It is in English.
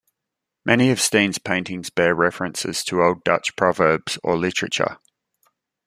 Many of Steen's paintings bear references to old Dutch proverbs or literature.